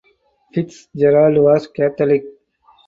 Fitzgerald was Catholic.